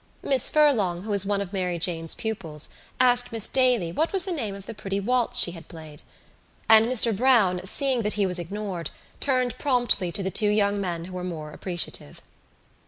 Miss Furlong, who was one of Mary Jane's pupils, asked Miss Daly what was the name of the pretty waltz she had played; and Mr Browne, seeing that he was ignored, turned promptly to the two young men who were more appreciative.